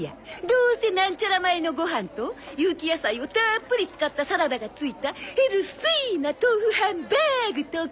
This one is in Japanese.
どうせなんちゃら米のご飯と有機野菜をたっぷり使ったサラダが付いたヘルシーな豆腐ハンバーグとかでしょう。